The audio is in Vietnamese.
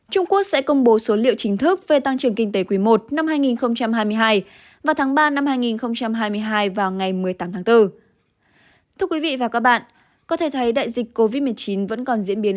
trung quốc sẽ công bố số liệu chính thức về tăng trưởng kinh tế quý i năm hai nghìn hai mươi hai